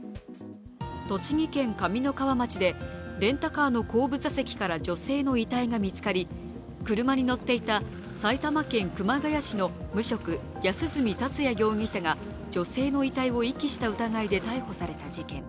栃木県上三川町でレンタカーの後部座席から女性の遺体が見つかり、車に乗っていた埼玉県熊谷市の無職安栖達也容疑者が女性の遺体を遺棄した疑いで逮捕された事件。